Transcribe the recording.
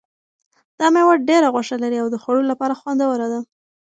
دا مېوه ډېره غوښه لري او د خوړلو لپاره خوندوره ده.